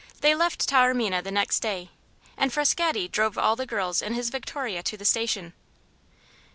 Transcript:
They left Taormina the next day, and Frascatti drove all the girls in his victoria to the station.